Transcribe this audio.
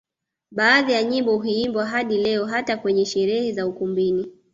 Baadhi ya nyimbo huimbwa hadi leo hata kwenye sherehe za ukumbini